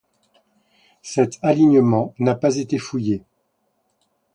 Cet alignement n'a pas été fouillé.